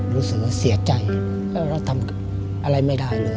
รู้สึกว่าเสียใจแล้วเราทำอะไรไม่ได้เลย